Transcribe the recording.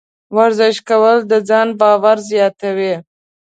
ورزش کول د ځان باور زیاتوي.